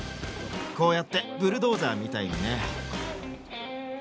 こうやってブルドーザーみたいにね。